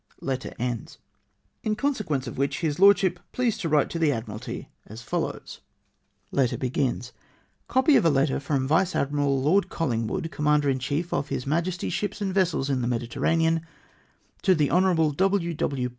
Li consequence of which his lordship was pleased to write to the Admiralty as follows: — LORD COLLIXGWOOD. 329 " Copy of a Letter from Vice Admiral Lord Collingwood, Com mander in Chief of His Majesty's ships and vessels in the Medi terranean, to the Hon. W. W.